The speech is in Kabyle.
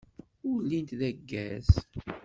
Ur llint d aggaz.